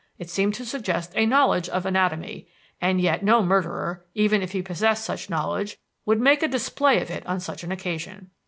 It seemed to suggest a knowledge of anatomy, and yet no murderer, even if he possessed such knowledge, would make a display of it on such an occasion.